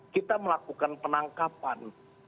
kita melakukan penangkapan